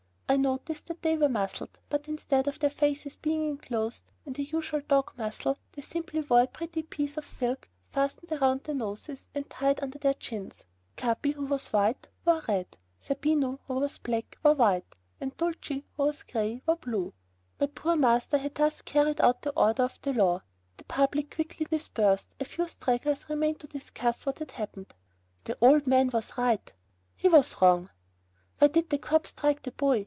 I noticed that they were muzzled, but instead of their faces being inclosed in the usual dog muzzle, they simply wore a pretty piece of silk fastened round their noses and tied under their chins. Capi, who was white, wore red; Zerbino, who was black, wore white, and Dulcie, who was gray, wore blue. My poor master had thus carried out the order of the law. The public had quickly dispersed. A few stragglers remained to discuss what had happened. "The old man was right." "He was wrong." "Why did the cop strike the boy?